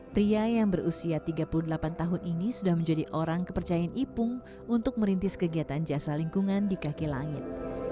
pria yang berusia tiga puluh delapan tahun ini sudah menjadi orang kepercayaan ipung untuk merintis kegiatan jasa lingkungan di kaki langit